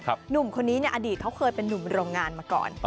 ตำนวนคนนี้เนี่ยอดีตเค้าเคยเป็นหนุ่มรงงานมาก่อน